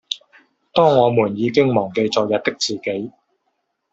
當我們都已經忘記昨日的自己